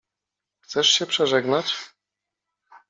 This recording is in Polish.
Chcesz się przeżegnać?